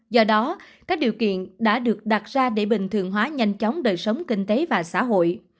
do đó các điều kiện đã được đặt ra để bình thường hóa nhanh chóng đời sống kinh tế và xã hội